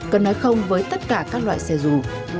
cần nói không với tất cả các loại xe dù